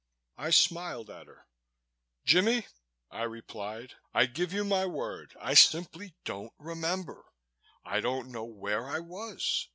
I smiled at her. "Jimmie," I replied, "I give you my word, I simply don't remember. I don't know where I was.